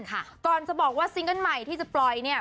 ก่อนจะบอกว่าซิงเกิ้ลใหม่ที่จะปล่อยเนี่ย